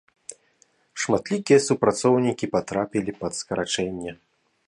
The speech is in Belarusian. Шматлікія супрацоўнікі патрапілі пад скарачэнне.